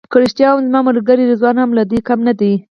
که رښتیا ووایم زما ملګری رضوان هم له دوی کم نه دی.